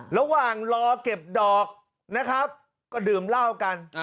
ระหว่างรอเก็บดอกนะครับก็ดื่มเหล้ากัน